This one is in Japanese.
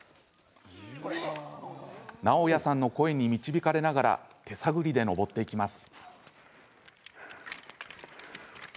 ナオヤさんの声に導かれながら手探りで登っていきます。